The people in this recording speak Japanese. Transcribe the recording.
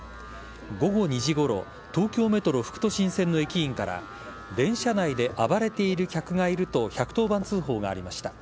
午後２時ごろ東京メトロ副都心線の駅員から電車内で暴れている客がいると１１０番通報がありました。